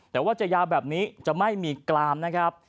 แต่ว่าจะยาวแบบนี้จะไม่มีกลามนะครับ